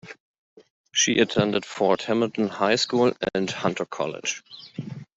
She attended Fort Hamilton High School and Hunter College.